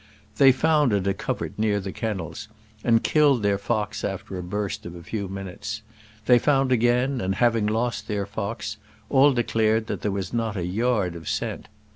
They found at a covert near the kennels, and killed their fox after a burst of a few minutes. They found again, and having lost their fox, all declared that there was not a yard of scent.